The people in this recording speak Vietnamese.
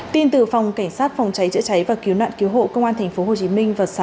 tin từ phòng cảnh sát phòng cháy chữa cháy và cứu nạn cứu hộ công an tp hcm